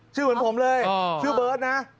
เหมือนผมเลยชื่อเบิร์ตนะ